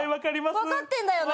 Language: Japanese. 分かってんだよな？